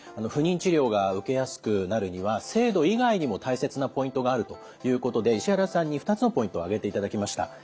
不妊治療が受けやすくなるには制度以外にも大切なポイントがあるということで石原さんに２つのポイント挙げていただきました。